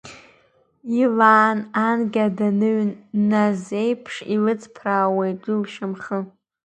Илаан анкьа даныҩназеиԥш, илыҵԥраауеит уи лшьамхы.